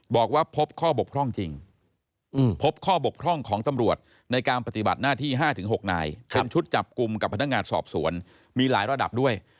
บอกว่าพบข้อบกพร่องจริงพบข้อบกพร่องของตำรวจในการปฏิบัติหน้าที่๕๖นายเป็นชุดจับกลุ่มกับพนักงานสอบสวนมีหลายระดับด้วย